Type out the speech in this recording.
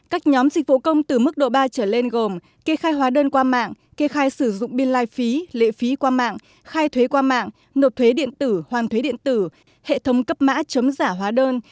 các nhóm dịch vụ công từ mức độ ba trở lên gồm kê khai hóa đơn qua mạng kê khai sử dụng biên lai phí lệ phí qua mạng khai thuế qua mạng nộp thuế điện tử hoàn thuế điện tử hệ thống cấp mã chấm giả hóa đơn